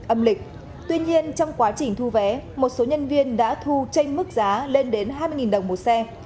âm lịch tuy nhiên trong quá trình thu vé một số nhân viên đã thu tranh mức giá lên đến hai mươi đồng một xe